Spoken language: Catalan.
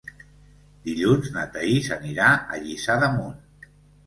Dilluns na Thaís anirà a Lliçà d'Amunt.